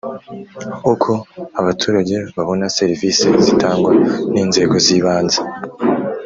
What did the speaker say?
Uko abaturage babona serivisi zitangwa n’ inzego ‘z ibanze